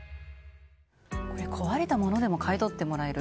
壊れたものでも買い取ってもらえる。